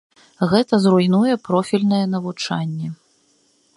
Гэта зруйнуе профільнае навучанне.